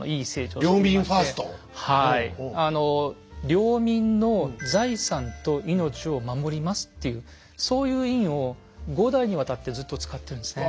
領民の財産と命を守りますっていうそういう印を５代にわたってずっと使ってるんですね。